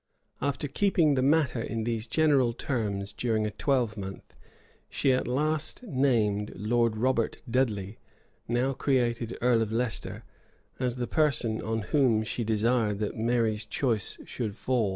[] After keeping the matter in these general terms during a twelvemonth, she at last named Lord Robert Dudley, now created earl of Leicester, as the person on whom she desired that Mary's choice should fall.